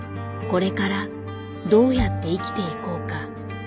これからどうやって生きていこうか。